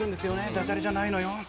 ダジャレじゃないのよ。